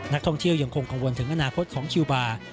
นักท่องเที่ยวยังคงกังวลถึงอนาคตของคิวบาร์